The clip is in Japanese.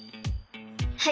はい！